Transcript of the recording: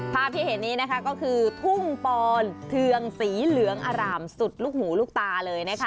ภาพที่เห็นนี้นะคะก็คือทุ่งปอนเทืองสีเหลืองอร่ามสุดลูกหูลูกตาเลยนะคะ